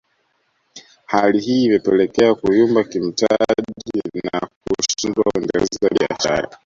Hali hii imepelekea kuyumba kimtaji na kushindwa kuendeleza biashara